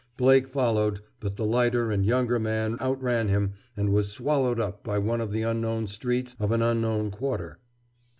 Blake followed, but the lighter and younger man out ran him and was swallowed up by one of the unknown streets of an unknown quarter.